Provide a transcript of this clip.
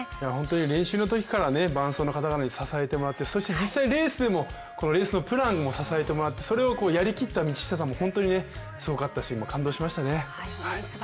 練習のときから伴走の方に支えてもらってそして実際レースでもレースのプランを支えてもらってそれをやり切った道下さんも本当にすごかったし、感動しましたね。